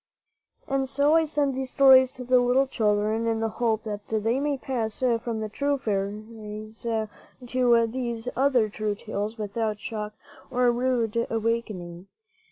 And so I send these stories to the little children in the hope that they may pass from the true tales of fairies to these other 10 true tales without shock or rude awakening.